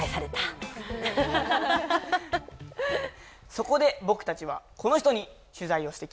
そこで僕たちはこの人に取材をしてきました。